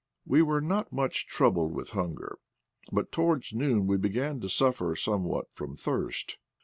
We were not much troubled with hunger, but towards noon we began to suffer some what from thirst.